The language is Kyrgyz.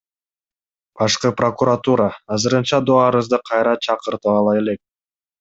Башкы прокуратура азырынча доо арызды кайра чакыртып ала элек.